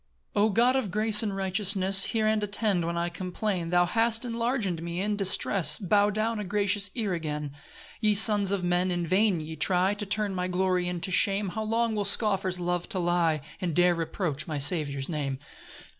1 O God of grace and righteousness, Hear and attend when I complain; Thou hast enlarg'd me in distress, Bow down a gracious ear again. 2 Ye sons of men, in vain ye try To turn my glory into shame; How long will scoffers love to lie, And dare reproach my Saviour's name!